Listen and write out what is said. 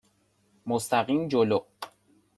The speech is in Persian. مستقیم جلو.